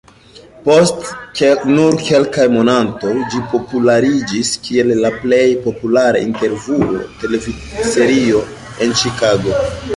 Post nur kelkaj monatoj ĝi populariĝis kiel la plej populara intervjuo-televidserio en Ĉikago.